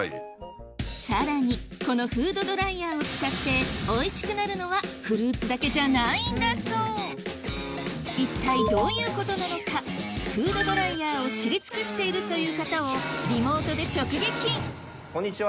さらにこのフードドライヤーを使っておいしくなるのは一体どういうことなのかフードドライヤーを知り尽くしているという方をリモートで直撃こんにちは。